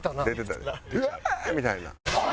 うわー！みたいな。